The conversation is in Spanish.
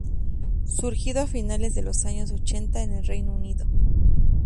Surgido a finales de los años ochenta en el Reino Unido.